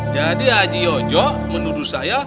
jadi haji ojo menurut saya